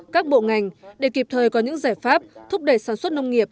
các bộ ngành để kịp thời có những giải pháp thúc đẩy sản xuất nông nghiệp